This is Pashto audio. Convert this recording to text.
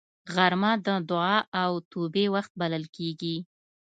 غرمه د دعا او توبې وخت بلل کېږي